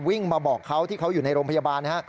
วิ่งมาบอกเขาที่เขาอยู่ในโรงพยาบาลนะฮะ